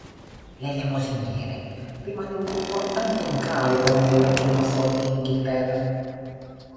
L'elemosiniere rimane un importante incarico nelle logge massoniche in Inghilterra.